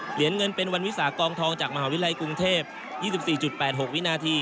เหรียญเงินเป็นวันวิสากองทองจากมหาวิทยาลัยกรุงเทพยี่สิบสี่จุดแปดหกวินาที